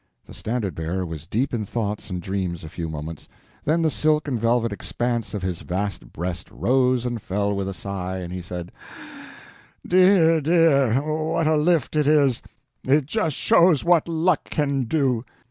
The Standard Bearer was deep in thoughts and dreams a few moments, then the silk and velvet expanse of his vast breast rose and fell with a sigh, and he said: "Dear, dear, what a lift it is! It just shows what luck can do.